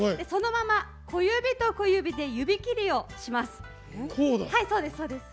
そのまま、小指と小指で指切りをします。